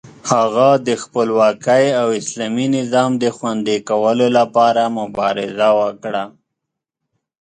هغه د خپلواکۍ او اسلامي نظام د خوندي کولو لپاره مبارزه وکړه.